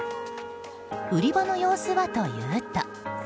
売り場の様子はというと。